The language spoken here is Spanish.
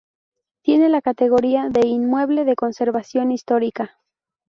Tiene la categoría de "Inmueble de Conservación Histórica".